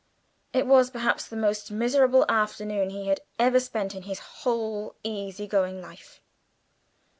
It was perhaps the most miserable afternoon he had ever spent in his whole easy going life.